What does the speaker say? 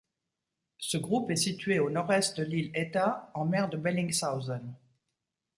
Ce groupe est situé au nord-est de l'île Êta en mer de Bellingshausen.